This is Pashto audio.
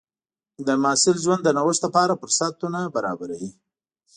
د محصل ژوند د نوښت لپاره فرصتونه برابروي.